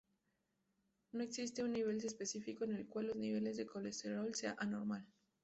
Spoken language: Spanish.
No existe un nivel específico en el cual los niveles de colesterol sea anormal.